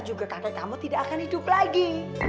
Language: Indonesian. juga kakek kamu tidak akan hidup lagi